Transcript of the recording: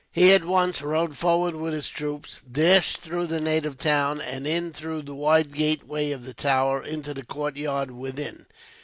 He at once rode forward with his troops, dashed through the native town, and in through the wide gateway of the tower, into the courtyard within.